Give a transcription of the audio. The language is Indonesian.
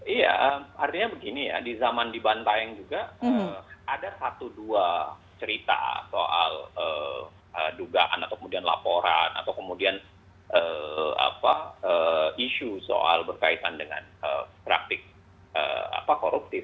iya artinya begini ya di zaman di bantaeng juga ada satu dua cerita soal dugaan atau kemudian laporan atau kemudian isu soal berkaitan dengan praktik koruptif